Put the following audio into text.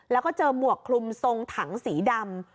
แล้วก็เจอหมวกคลุมทรงถังสีดำ